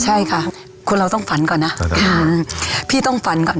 ใช่ค่ะคนเราต้องฝันก่อนนะพี่ต้องฝันก่อน